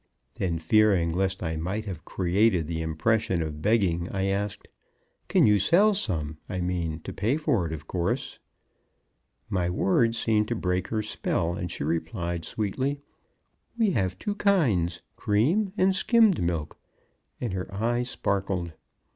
Then, fearing lest I might have created the impression of begging, I asked; "can you sell some? I mean to pay for it, of course." My words seemed to break her spell, and she replied sweetly, "We have two kinds cream and skimmed milk." And her eyes sparkled.